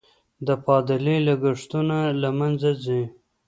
د تبادلې لګښتونه له مینځه ځي.